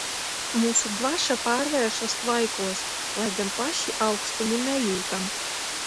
Mūsu dvaša pārvēršas tvaikos, lai gan paši aukstumu nejūtam.